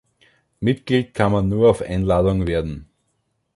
Mitglied kann man nur auf Einladung werden.